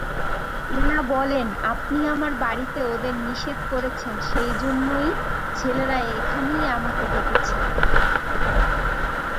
এলা বললে, আপনি আমার বাড়িতে ওদের নিষেধ করেছেন সেইজন্যে ছেলেরা এখানেই আমাকে ডেকেছে।